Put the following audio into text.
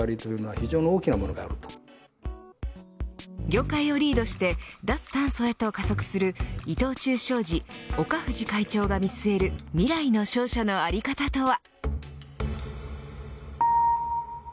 業界をリードして脱炭素へと加速する伊藤忠商事、岡藤会長が見据える未来の商社の在り方とは。